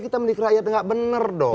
ini tidak menikah rakyat dengan baik gitu loh